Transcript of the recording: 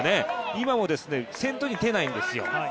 今も先頭には出ないんですよ。